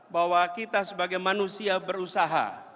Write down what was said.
bahwa kita sebagai manusia berusaha